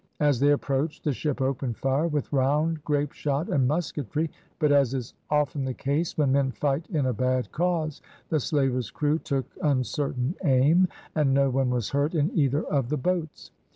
As they approached the ship opened fire with round, grapeshot, and musketry, but, as is often the case, when men fight in a bad cause, the slaver's crew took uncertain aim, and no one was hurt in either of the boats.